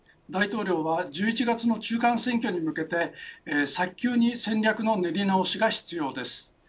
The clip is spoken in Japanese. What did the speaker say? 大統領は１１月の中間選挙に向けて早急に戦力の練り直しが必要です。